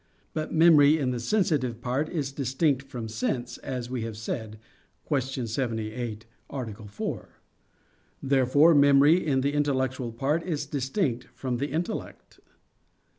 But memory in the sensitive part is distinct from sense, as we have said (Q. 78, A. 4). Therefore memory in the intellectual part is distinct from the intellect.